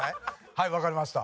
はいわかりました。